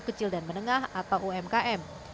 kecil dan menengah atau umkm